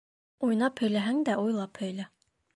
Уйнап һөйләһәң дә, уйлап һөйлә.